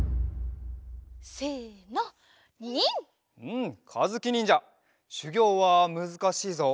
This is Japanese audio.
うんかずきにんじゃしゅぎょうはむずかしいぞ。